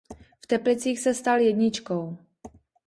V Teplicích se stal jedničkou.